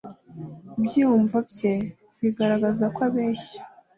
ibyiyumvo bye bigaragaza ko abeshya.